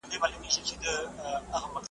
موږ د پښتو د خدمت لپاره ژمن یو.